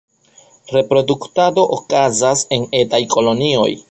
Reproduktado okazas en etaj kolonioj.